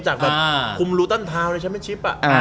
จากแบบคุมรูตันทาวน์ในชั้นเม็ดชิป